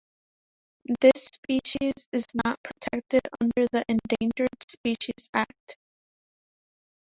This species is not protected under the Endangered Species Act.